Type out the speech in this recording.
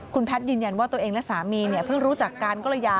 คุณแพทย์ยืนยันว่าตัวเองและสามีเพิ่งรู้จักการกลยา